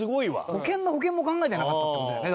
保険の保険も考えてなかったって事だよね。